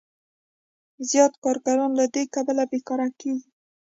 زیات کارګران له دې کبله بېکاره کېږي